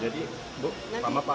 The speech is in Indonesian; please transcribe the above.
jadi bu lama pak pak